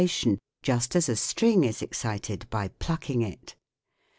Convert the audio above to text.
tion just as a string is excited by plucking it.